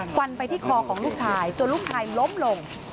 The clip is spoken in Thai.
ฟันไปที่คอของลูกชายจนลูกชายล้มลง